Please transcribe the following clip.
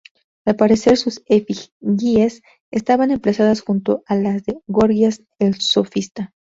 Al parecer, sus efigies estaban emplazadas junto a la de Gorgias el sofista.